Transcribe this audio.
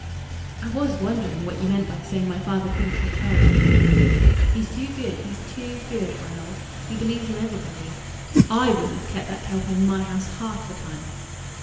"I was wondering what you meant by saying my father couldn't take care of himself." "He's too good; he's too good, Ranald. He believes in everybody. I wouldn't have kept that Kelpie in my house half the time."